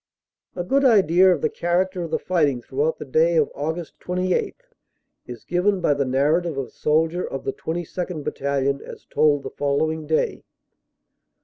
A good idea of the character of the fighting throughout the day of Aug. 28 is given by the narrative of a soldier of the 22nd. Battalion, as told the following day.